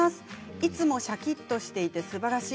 いつもシャキっとしていてすばらしい。